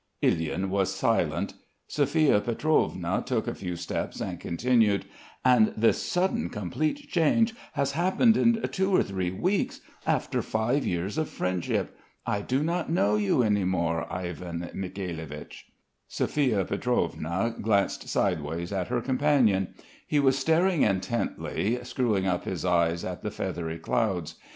Ilyin was silent. Sophia Pietrovna took a few steps and continued: "And this sudden complete change has happened in two or three weeks after five years of friendship. I do not know you any more, Ivan Mikhailovich." Sophia Pietrovna glanced sideways at her companion. He was staring intently, screwing up his eyes at the feathery clouds.